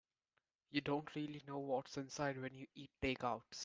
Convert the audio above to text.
You don't really know what's inside when you eat takeouts.